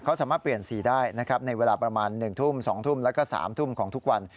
เขาสามารถเปลี่ยนสีได้นะครับในเวลาประมาณ๑ทุ่ม๒ทุ่มแล้วก็๓ทุ่มของทุกวัน